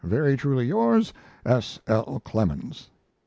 Very truly yours, S. L. CLEMENS.